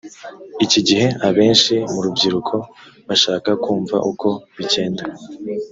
iki gihe abenshi mu rubyiruko bashaka kumva uko bigenda